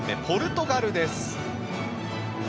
ポルトガルです。